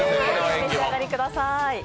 お召し上がりください。